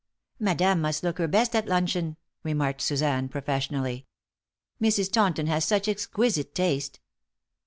"Madame must look her best at luncheon," remarked Suzanne, professionally. "Mrs. Taunton has such exquisite taste."